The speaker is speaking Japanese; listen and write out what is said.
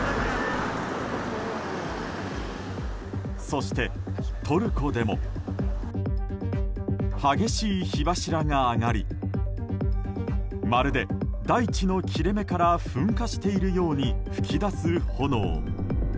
そして、トルコでも激しい火柱が上がりまるで大地の切れ目から噴火しているように噴き出す炎。